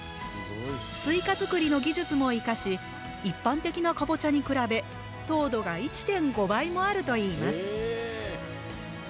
すいか作りの技術も生かし一般的な南瓜に比べ糖度が１．５倍もあるといいます。